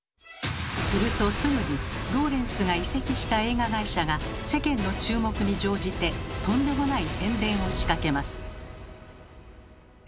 するとすぐにローレンスが移籍した映画会社が世間の注目に乗じてとんでもない宣伝を仕掛けます。